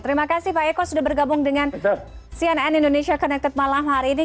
terima kasih pak eko sudah bergabung dengan cnn indonesia connected malam hari ini